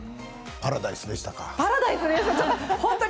パラダイスでしたか？